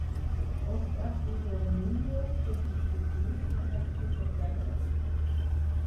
Óscar Pujol Muñoz és un ciclista nascut a Terrassa.